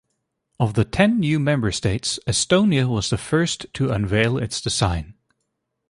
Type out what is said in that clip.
Of the ten new member states, Estonia was the first to unveil its design.